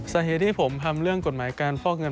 สาเหตุที่ผมทำเรื่องกฎหมายการฟอกเงิน